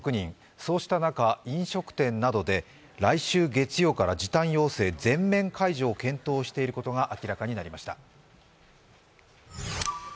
そうした中飲食店などで、来週月曜から時短要請全面解除を検討していることが明らかになりました。